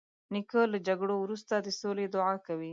نیکه له جګړو وروسته د سولې دعا کوي.